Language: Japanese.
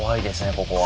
ここは。